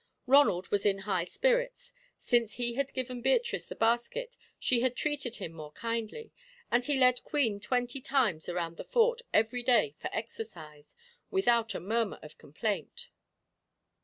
Ronald was in high spirits. Since he had given Beatrice the basket she had treated him more kindly, and he led Queen twenty times around the Fort every day for exercise, without a murmur of complaint.